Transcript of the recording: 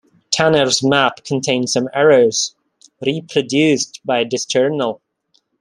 Tanner's map contained some errors, reproduced by Disturnell.